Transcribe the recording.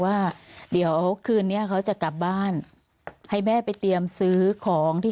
ว่าเดี๋ยวคืนเนี้ยเขาจะกลับบ้านให้แม่ไปเตรียมซื้อของที่